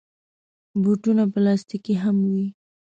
بوټونه پلاستيکي هم وي.